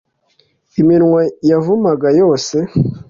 iminwa yakuvumaga yose